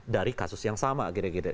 dari kasus yang sama kira kira